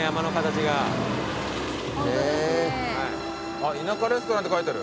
あっ「田舎レストラン」って書いてある。